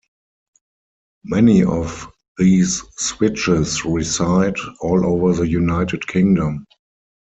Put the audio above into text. Many of these switches reside all over the United Kingdom.